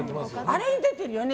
あれに出てるよね